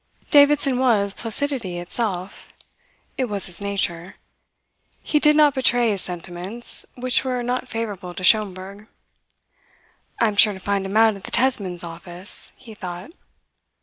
Davidson was placidity itself. It was his nature. He did not betray his sentiments, which were not favourable to Schomberg. "I am sure to find out at the Tesmans' office," he thought.